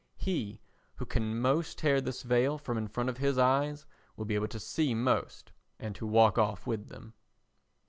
He who can most tear this veil from in front of his eyes will be able to see most and to walk off with them.